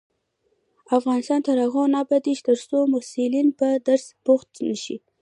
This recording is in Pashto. افغانستان تر هغو نه ابادیږي، ترڅو محصلین په درس بوخت نشي.